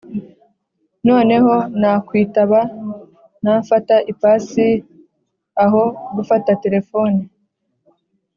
noneho nakwitaba nfata ipasi aho gufata telefone!